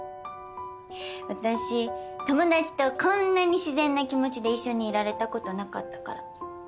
私友達とこんなに自然な気持ちで一緒にいられたことなかったから。